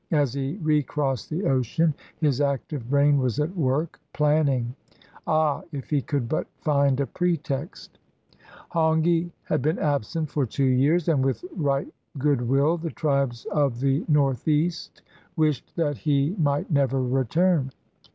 As he recrossed the ocean, his active brain was at work, planning. Ah, if he could but find a pretext! Hongi had been absent for two years, and with right good will the tribes of the northeast wished that he 499 ISLANDS OF THE PACIFIC might never return.